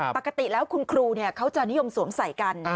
ปกติแล้วคุณครูเขาจะนิยมสวมใส่กัน